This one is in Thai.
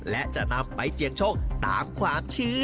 และจะนำไปเสี่ยงโชคตามความเชื่อ